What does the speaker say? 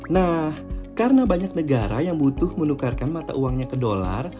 nah karena banyak negara yang butuh menukarkan mata uangnya ke dolar